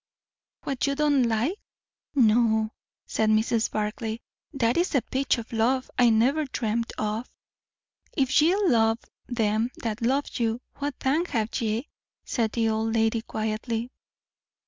"What you don't like! no," said Mrs. Barclay; "that is a pitch of love I never dreamed of." "'If ye love them that love you, what thank have ye?'" said the old lady quietly.